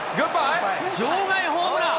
場外ホームラン。